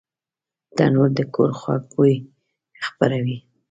تنور د کور خوږ بوی خپروي